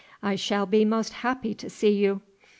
"I shall be most happy to see you."